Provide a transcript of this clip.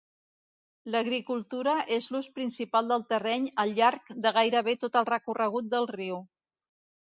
L'agricultura és l'ús principal del terreny al llarg de gairebé tot el recorregut del riu.